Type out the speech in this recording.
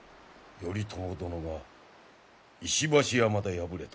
頼朝殿が石橋山で敗れたそうじゃ。